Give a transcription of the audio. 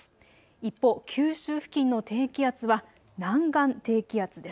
一方、九州付近の低気圧は南岸低気圧です。